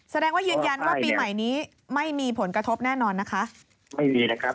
แสดงว่ายืนยันว่าปีใหม่นี้ไม่มีผลกระทบแน่นอนนะคะไม่มีนะครับ